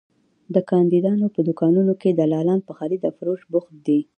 د کاندیدانو په دوکانونو کې دلالان په خرید او فروش بوخت دي.